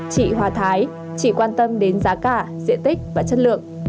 chị hoa thái chỉ quan tâm đến giá cả diện tích và chất lượng